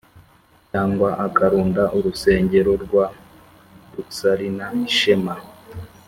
cyangwa ukarunda urusengero rwa luxury na ishema